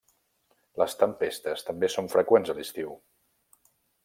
Les tempestes també són freqüents a l'estiu.